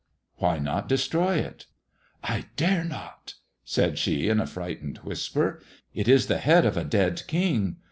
" Why not destroy it ]"" I dare not," said she, in a frightened whisper. "It is the head of a dead king.